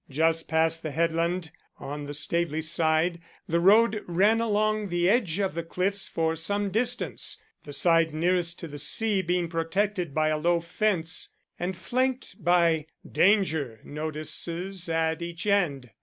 Just past the headland, on the Staveley side, the road ran along the edge of the cliffs for some distance, the side nearest to the sea being protected by a low fence, and flanked by "Danger" notices at each end.